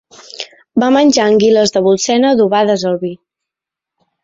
Va menjar anguiles de Bolsena adobades al vi.